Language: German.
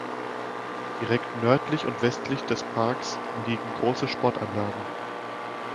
Direkt nördlich und westlich des Parks liegen große Sportanlagen.